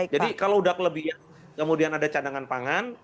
jadi kalau sudah kelebihan kemudian ada cadangan pangan